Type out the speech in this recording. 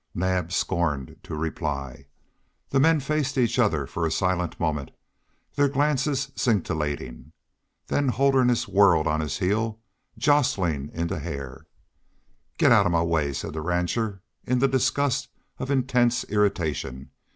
Naab scorned to reply. The men faced each other for a silent moment, their glances scintillating. Then Holderness whirled on his heel, jostling into Hare. "Get out of my way," said the rancher, in the disgust of intense irritation.